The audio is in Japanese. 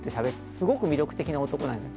すごく魅力的な男なんですよ。